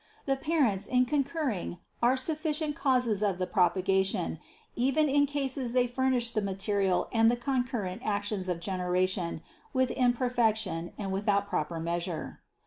The parents in concurring are sufficient causes of the propagation, even in case they furnish the material and the concurrent acts of generation with imperfection and without proper measure.